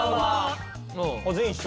全員一緒。